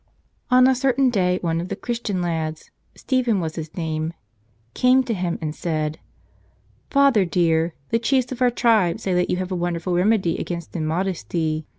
On a certain day one of the Christian lads — Stephen was his name — came to him and said, "Father dear, the chiefs of our tribe say that you have a wonderful remedy against immodesty.